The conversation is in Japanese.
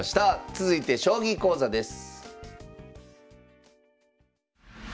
続いて将棋講座です。